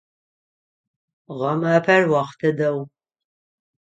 Гъэмафэр охътэ дэгъу.